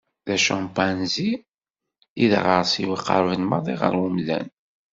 D acampanzi i d aɣersiw iqerben maḍi ɣer umdan.